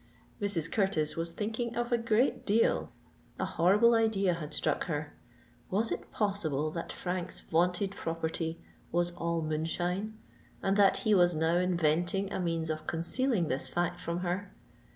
Mrs. Curtis was thinking of a great deal;—a horrible idea had struck her. Was it possible that Frank's vaunted property was all moonshine, and that he was now inventing a means of concealing this fact from her.